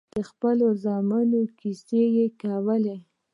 د خپلو زامنو کيسې يې کولې.